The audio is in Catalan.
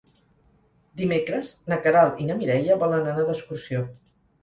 Dimecres na Queralt i na Mireia volen anar d'excursió.